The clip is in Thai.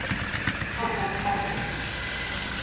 เข้าพกเข้าห่อ